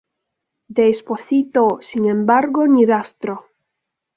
De Esposito, sin embargo, ni rastro.